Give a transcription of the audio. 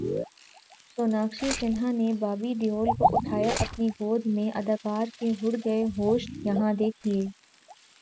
سوناکشی سنہا نے بابی دیول کو اٹھایا اپنی گود میں اداکار کے اڑ گئے ہوش، یہاں دیکھئے